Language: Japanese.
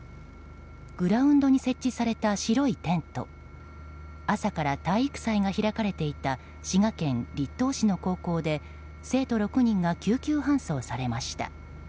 グラウンドに設置された白いテント朝から体育祭が開かれていた滋賀県栗東市の高校で生徒６人が救急搬送されました。